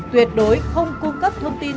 tuyệt đối không cung cấp thông tin